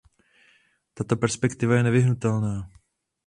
Tato perspektiva je nevyhnutelná.